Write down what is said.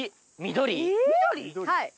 緑⁉はい。